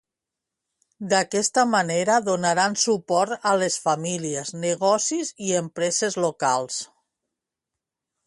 D'aquesta manera donaran suport a les famílies, negocis i empreses locals.